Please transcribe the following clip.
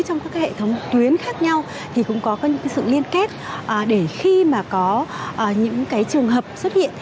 trong các hệ thống tuyến khác nhau thì cũng có những sự liên kết để khi mà có những cái trường hợp xuất hiện